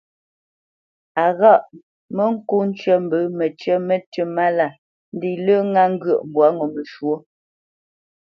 A ghâʼ : mə ŋko ncə mbə məcyə̌ mətʉ́ mála ndé lə ŋa ŋgyə̂ʼ mbwâ ŋo məshwɔ́.